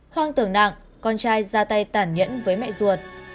hoang tưởng nặng con trai ra tay tản nhẫn với mẹ ruột